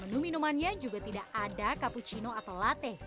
menu minumannya juga tidak ada cappuccino atau latte